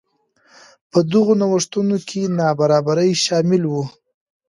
په دغو نوښتونو کې نابرابري شامل وو.